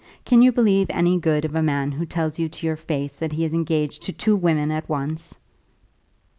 Can you believe any good of a man who tells you to your face that he is engaged to two women at once?"